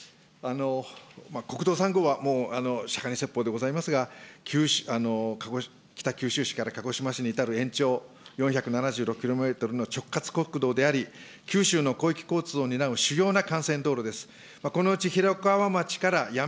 国道３号は、もう釈迦に説法でございますが、北九州市から鹿児島市に至る延長、４７６キロメートルの直轄国道であり、九州の主要交通を担う主要な幹線道路です。